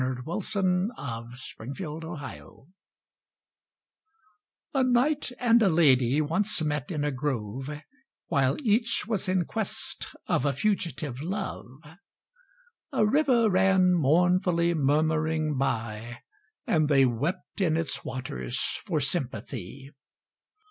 Reginald Heber Sympathy A KNIGHT and a lady once met in a grove While each was in quest of a fugitive love; A river ran mournfully murmuring by, And they wept in its waters for sympathy.